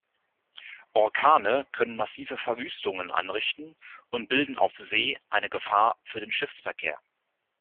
Orkane können massive Verwüstungen anrichten und bilden auf See eine Gefahr für den Schiffsverkehr.